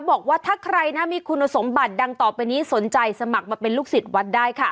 บอกว่าถ้าใครนะมีคุณสมบัติดังต่อไปนี้สนใจสมัครมาเป็นลูกศิษย์วัดได้ค่ะ